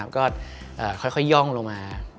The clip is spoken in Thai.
ก็ค่อยย่องลงมา